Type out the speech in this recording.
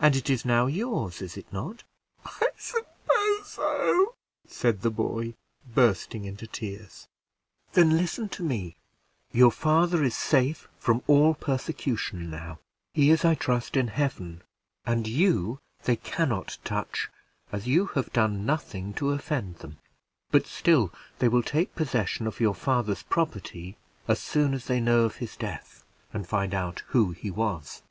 "And it is now yours, is it not?" "I suppose so," said the boy, bursting into tears. "Then listen to me: your father is safe from all persecution now; he is, I trust, in heaven; and you they can not touch, as you have done nothing to offend them; but still they will take possession of your father's property as soon as they know of his death, and find out who he was.